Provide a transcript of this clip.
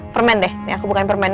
permen deh aku bukain permennya